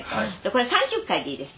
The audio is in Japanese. これ３０回でいいです。